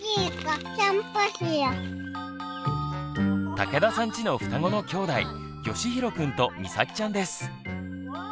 武田さんちの双子のきょうだいよしひろくんとみさきちゃんです。